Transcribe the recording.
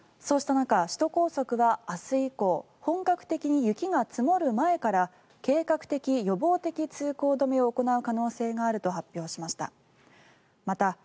そうした中、首都高速は明日以降本格的に雪が積もる前から計画的・予防的通行止めを行う可能性があると発表しました。